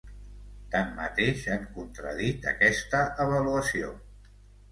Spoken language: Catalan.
Tanmateix, han contradit aquesta avaluació.